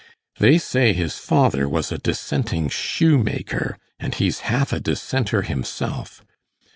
'They say his father was a Dissenting shoemaker; and he's half a Dissenter himself.